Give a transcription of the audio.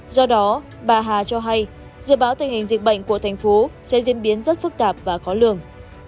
do đó bà hà cho hay dự báo tình hình dịch bệnh của thành phố sẽ diễn biến rất phức tạp và khó lường